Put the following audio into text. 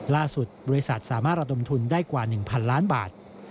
บริษัทสามารถระดมทุนได้กว่า๑๐๐ล้านบาท